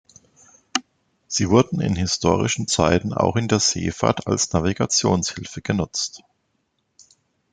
Sie wurden in historischen Zeiten auch in der Seefahrt als Navigationshilfe genutzt.